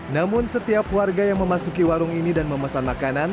namun setiap warga yang memasuki warung ini dan memesan makanan